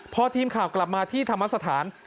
พอทีมข่าวกลับมาที่ธรรมสถาน